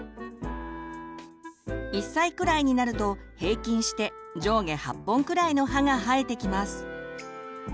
１歳くらいになると平均して上下８本くらいの歯が生えてきます。